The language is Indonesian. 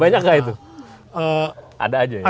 banyak nggak itu ada aja ya